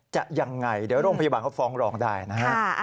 จะยังไงเดี๋ยวโรงพยาบาลเขาฟ้องรองได้นะฮะ